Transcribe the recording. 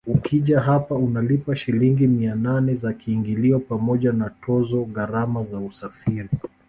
Ukija hapa unalipa Shilingi mia nane za kiingilio pamoja na tozo gharama za usafiri